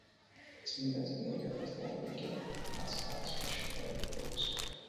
წმინდა წიგნები და ქრისტიანული რელიგია მას გააცნო და შეაყვარა გრიგოლ ღვთისმეტყველმა.